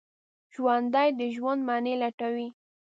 ژوندي د ژوند معنی لټوي